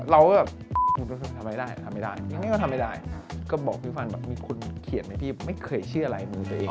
เราก็ทำไมไม่ได้ยังไม่ได้ก็บอกพี่ฟันมีคนเขียนไหมพี่ไม่เคยเชื่ออะไรมือตัวเอง